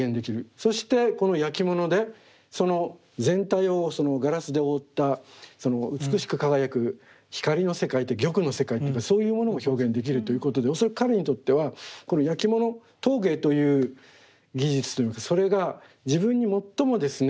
そしてこのやきものでその全体をガラスで覆った美しく輝く光の世界玉の世界というかそういうものも表現できるということで恐らく彼にとってはこのやきもの陶芸という技術といいますかそれが自分に最もですね